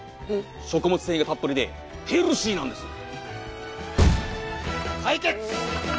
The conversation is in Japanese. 食物繊維がたっぷりでヘルシーなんですよ解決！